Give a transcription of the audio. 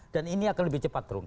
dan ini akan lebih cepat terungkap